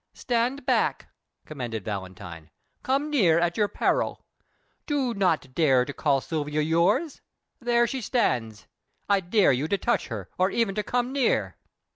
"Stand back!" commanded Valentine. "Come near, at your peril! Do not dare to call Silvia yours! Here she stands: I dare you to touch her, or even to come near."